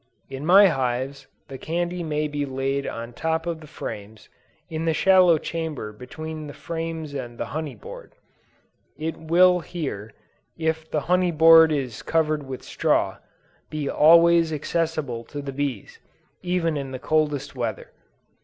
In my hives, the candy may be laid on the top of the frames, in the shallow chamber between the frames and the honey board; it will here, if the honey board is covered with straw, be always accessible to the bees, even in the coldest weather.